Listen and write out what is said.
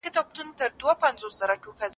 شيطانان ابليس ته څه ډول راپورونه ورکوي؟